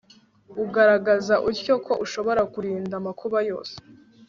ugaragaza utyo ko ushobora kurinda amakuba yose